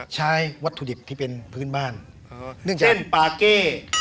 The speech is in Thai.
ใช้วัตถุดิบที่เป็นพื้นบ้านหนึ่งเช่นปาเก้